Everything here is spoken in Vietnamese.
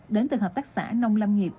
đến từ hợp tác xã nông lâm nghiệp